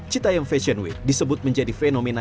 cita yang fashion week disebut menjadi fenomena